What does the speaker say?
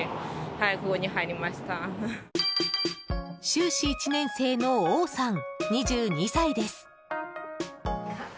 修士１年生のオウさん、２２歳です。